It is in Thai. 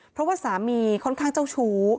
เพราะว่าสามีค่อนข้างเจ้าชู้